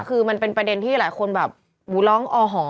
คือมันเป็นประเด็นที่หลายคนแบบร้องอหอ